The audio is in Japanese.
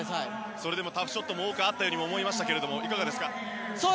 それでもタフショットも多くありましたがいかがですか？